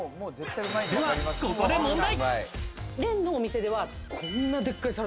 では、ここで問題。